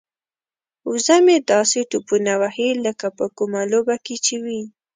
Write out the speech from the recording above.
وزه مې داسې ټوپونه وهي لکه په کومه لوبه کې چې وي.